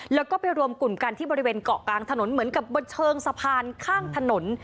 แล้วก็ไปรวมกลุ่มกันที่บริเวณเกาะกลางถนนเหมือนกับบนเชิงสะพานข้างถนน